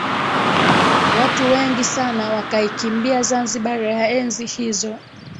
Watu wengi sana wakaikimbia Zanzibar ya enzi hizo